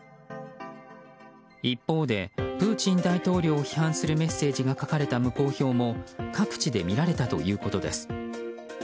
一方でプーチン大統領を批判するメッセージが書かれた無効票も各地で見られたということです。